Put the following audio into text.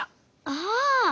ああ！